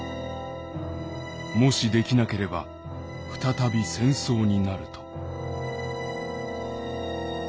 もしできなければ再び戦争になると」。